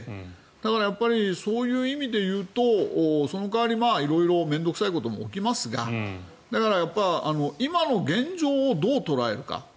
だから、そういう意味でいうとその代わり、色々面倒臭いことも起きますが今の現状をどう捉えるか。